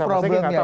itu problemnya ya